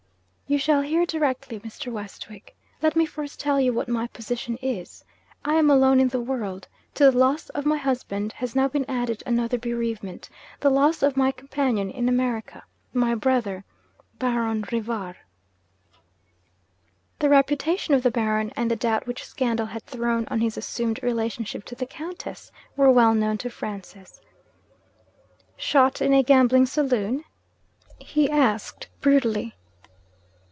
'You shall hear directly, Mr. Westwick. Let me first tell you what my position is. I am alone in the world. To the loss of my husband has now been added another bereavement, the loss of my companion in America, my brother Baron Rivar.' The reputation of the Baron, and the doubt which scandal had thrown on his assumed relationship to the Countess, were well known to Francis. 'Shot in a gambling saloon?' he asked brutally.